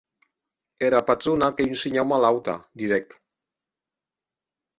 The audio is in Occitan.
Era patrona qu’ei un shinhau malauta, didec.